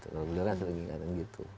kalau beliau kan sering ingatkan gitu